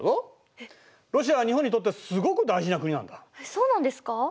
えっそうなんですか？